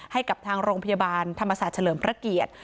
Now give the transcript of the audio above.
ให้กับทางโรงพยาบาลธรรมศาสตร์เฉลิมพระเกียรติ